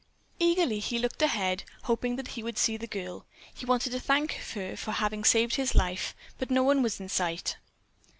Eagerly he looked ahead, hoping that he would see the girl. He wanted to thank her for having saved his life, but no one was in sight.